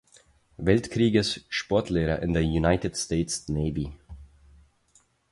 Weltkrieges Sportlehrer in der United States Navy.